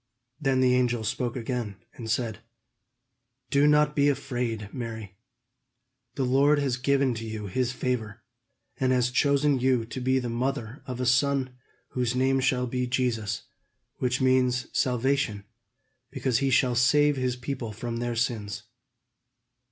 Then the angel spoke again, and said: "Do not be afraid, Mary. The Lord has given to you his favor, and has chosen you to be the mother of a son whose name shall be Jesus, which means 'salvation,' because he shall save his people from their sins.